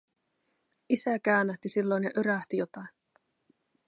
Isä käännähti silloin ja örähti jotain.